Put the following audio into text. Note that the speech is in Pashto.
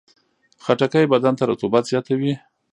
خټکی بدن ته رطوبت زیاتوي.